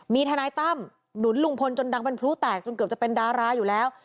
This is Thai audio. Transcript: มีทนายตั้มหนุนลุงพลจนดังเป็นพลุแตกจนเกือบจะเป็นดาราอยู่แล้ว